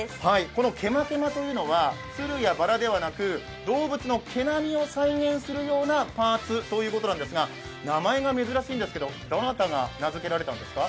このケマケマというのは、鶴やばらではなく、動物の毛並みを再現するようなパーツということなんですが、名前が珍しいんですけどどなたが名づけられたんですか。